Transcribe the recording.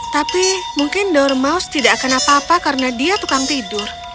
tapi mungkin dormous tidak akan apa apa karena dia tukang tidur